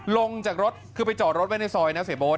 ลงจากรถคือไปจอดรถไว้ในซอยนะเสียโบ๊ท